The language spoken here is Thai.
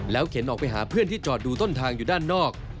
เข็นออกไปหาเพื่อนที่จอดดูต้นทางอยู่ด้านนอก